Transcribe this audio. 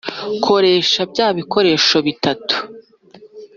koresha bya bikoresho bitatu